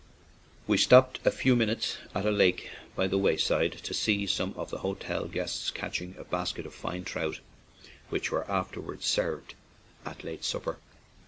We stopped a few minutes at a lake by the wayside to see some of the hotel guests catching a basket of fine trout, which were afterwards served for a late supper.